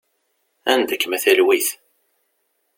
Anda-kem a talwit?